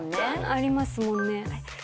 ありますもんね。